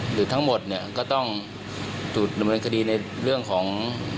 หรือทั้งหมดเนี่ยก็ต้องถูกดำเนินคดีในเรื่องของ